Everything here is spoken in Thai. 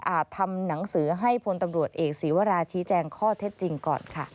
ทำหนังสือให้พลตำรวจเอกศีวราชี้แจงข้อเท็จจริงก่อนค่ะ